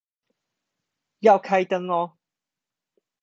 要開燈喔